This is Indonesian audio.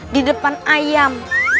di depan ayam